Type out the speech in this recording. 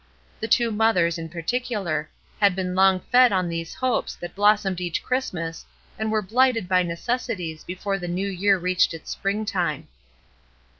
The two mothers, in par ticular, had been long fed on these hopes that blossomed each Christmas and were blighted by necessities before the new year reached its springtime.